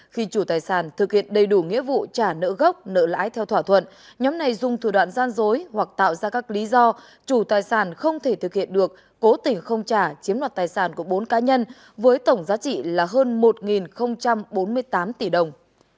khi chủ tài sản thực hiện đầy đủ nghĩa vụ trả nợ gốc nợ lãi theo thỏa thuận nhóm này dùng thủ đoạn gian dối hoặc tạo ra các lý do chủ tài sản không thể thực hiện được cố tỉnh không trả chiếm đoạt tài sản của bốn cá nhân với tổng giá trị là hơn một bốn mươi tám tỷ đồng